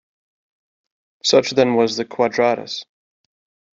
Such then was Quadratus.